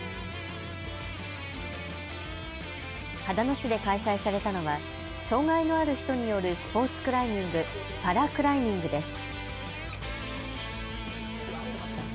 秦野市で開催されたのは、障害がある人によるスポーツクライミング、パラクライミングです。